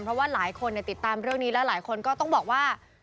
เพราะว่าหลายคนติดตามเรื่องนี้แล้วหลายคนก็ต้องบอกว่า